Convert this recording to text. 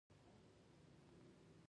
د نغري غاړه او توده ډوډۍ.